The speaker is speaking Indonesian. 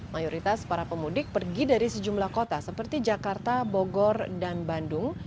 mayoritas para pemudik pergi dari sejumlah kota seperti jakarta bogor dan bandung